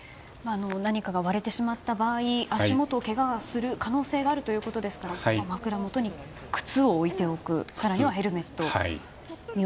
何かが割れてしまった場合足元、けがする可能性があるということですから枕元に靴を置いておく更にはヘルメットを。